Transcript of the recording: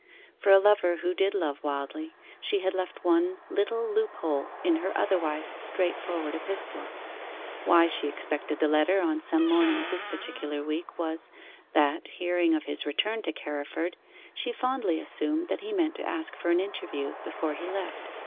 For a lover who did love wildly, she had left one little loophole in her otherwise straightforward epistle. Why she expected the letter on some morning of this particular week was, that hearing of his return to Carriford, she fondly assumed that he meant to ask for an interview before he left.